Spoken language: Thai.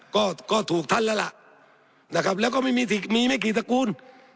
ก็ก็ถูกท่านแล้วล่ะนะครับแล้วก็ไม่มีมีไม่กี่สกุล